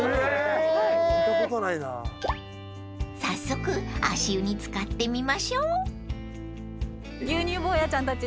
［早速足湯に漬かってみましょう］